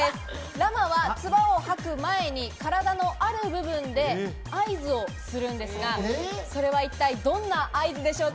ラマは唾を吐く前に体のある部分で合図をするんですが、それは一体どんな合図でしょうか？